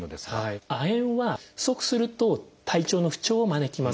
亜鉛は不足すると体調の不調を招きます。